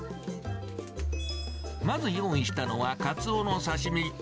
まず用意したのはカツオの刺身。